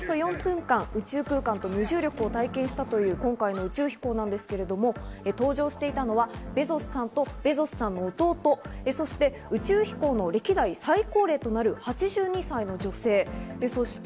およそ４分間、宇宙空間と無重力を体験したという今回の宇宙飛行なんですけれども搭乗していたのはベゾスさんとベゾスさんの弟、そして宇宙飛行の歴代最高齢となる８２歳の女性。